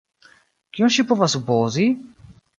Kion ŝi povas supozi?